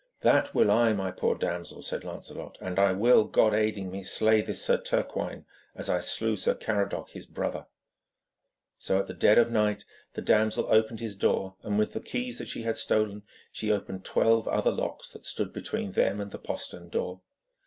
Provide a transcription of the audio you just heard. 'That will I, my poor damsel,' said Lancelot, 'and I will, God aiding me, slay this Sir Turquine as I slew Sir Caradoc his brother.' So at the dead of night the damsel opened his door, and with the keys that she had stolen, she opened twelve other locks that stood between them and the postern door.